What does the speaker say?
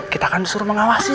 kita akan suruh mengawasi